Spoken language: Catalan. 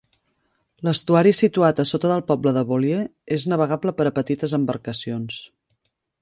L'estuari situat a sota del poble de Beaulieu és navegable per a petites embarcacions.